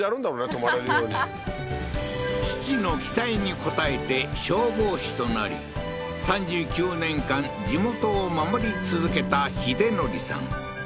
泊まれるように父の期待に応えて消防士となり３９年間地元を守り続けた秀憲さん